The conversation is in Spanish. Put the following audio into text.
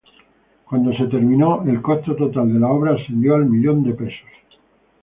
Cuando se terminó, el costo total de la obra ascendió al millón de pesos.